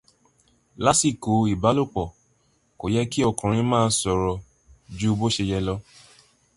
Lásìkò ìbálòpọ̀, kò yẹ kí ọkùnrin máa sọ̀rọ̀ ju bó ṣe yẹ lọ.?